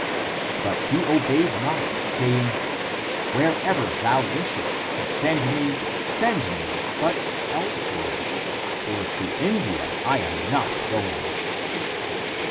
But he obeyed not, saying, " Wherever thou wishest to send me, send me, (but) elsewhere. For to India I am not going."